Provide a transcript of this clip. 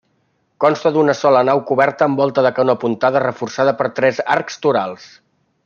Consta d'una sola nau coberta amb volta de canó apuntada reforçada per tres arcs torals.